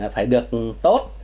phải được tốt